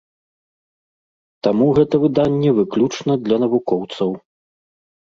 Таму гэта выданне выключна для навукоўцаў.